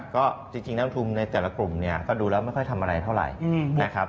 ก็จริงนักลงทุนในแต่ละกลุ่มเนี่ยก็ดูแล้วไม่ค่อยทำอะไรเท่าไหร่นะครับ